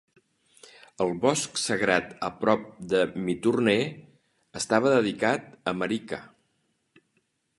El bosc sagrat a prop de Minturnae estava dedicat a Marica.